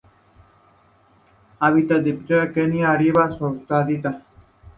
Habita en Etiopía, Kenia y Arabia Saudita.